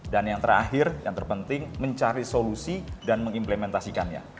dan yang terakhir yang terpenting mencari solusi dan mengimplementasikannya